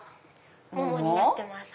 桃になってます。